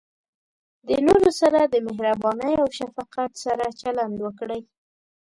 د نورو سره د مهربانۍ او شفقت سره چلند وکړئ.